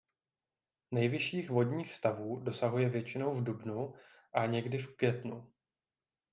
Nejvyšších vodních stavů dosahuje většinou v dubnu a někdy v květnu.